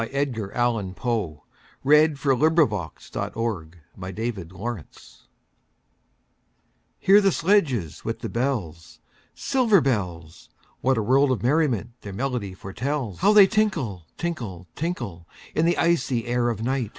Edgar Allan Poe 1809–1849 Edgar Allan Poe 88 The Bells HEAR the sledges with the bells, Silver bells! What a world of merriment their melody foretells! How they tinkle, tinkle, tinkle, In the icy air of night!